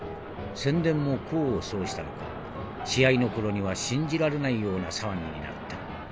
宣伝も功を奏したのか試合の頃には信じられないような騒ぎになった。